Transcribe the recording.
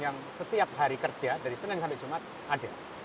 yang setiap hari kerja dari senin sampai jumat ada